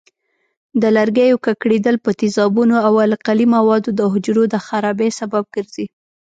د لرګیو ککړېدل په تیزابونو او القلي موادو د حجرو د خرابۍ سبب ګرځي.